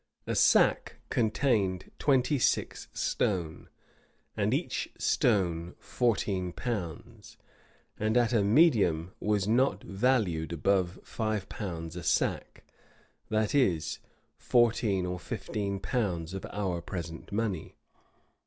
A sack contained twenty six stone, and each stone fourteen pounds;[] and at a medium was not valued at above five pounds a sack,[] that is, fourteen or fifteen pounds of our present money.